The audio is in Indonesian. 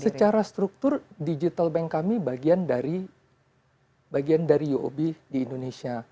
secara struktur digital bank kami bagian dari uob di indonesia